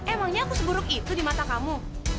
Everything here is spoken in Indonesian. emangnya aku seburuk itu di mata kamu